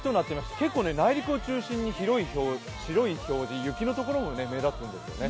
結構、内陸を中心に白い表示、雪のところも目立つんですね。